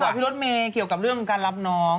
พี่รถเมย์เกี่ยวกับเรื่องการรับน้อง